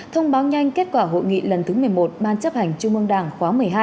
thông báo nhanh kết quả hội nghị lần thứ một mươi một ban chấp hành trung ương đảng khóa một mươi hai